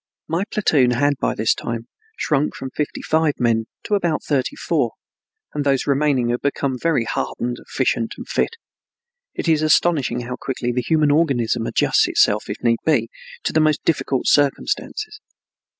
My platoon had by this time shrunk from fifty five men to about thirty four, but those remaining had become very hardened, efficient, and fit. It is astonishing how quickly the human organism adjusts itself, if need be, to the most difficult circumstances.